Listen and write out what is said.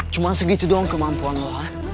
cuma segitu doang kemampuan lu